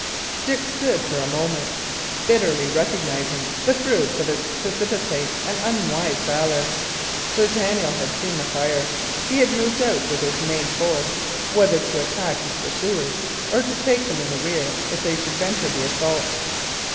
Dick stood for a moment, bitterly recognising the fruits of his precipitate and unwise valour. Sir Daniel had seen the fire; he had moved out with his main force, whether to attack his pursuers or to take them in the rear if they should venture the assault.